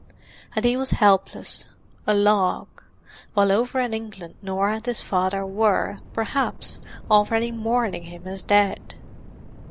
And he was helpless, a log—while over in England Norah and his father were, perhaps, already mourning him as dead.